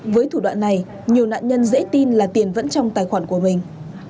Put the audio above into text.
với thủ đoạn này nhiều nạn nhân dễ tin là tiền vẫn trong tài khoản của mình